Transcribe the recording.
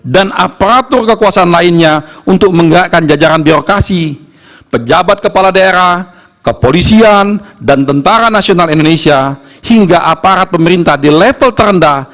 dan aparatur kekuasaan lainnya untuk menggerakkan jajaran birokrasi pejabat kepala daerah kepolisian dan tentara nasional indonesia hingga aparat pemerintah di level terendah